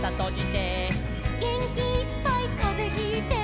「げんきいっぱいかぜひいて」